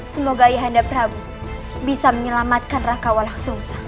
semoga ayahanda prabu bisa menyelamatkan raka walauksungsang